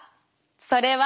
それは？